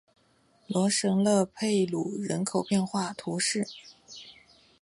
罗什勒佩鲁人口变化图示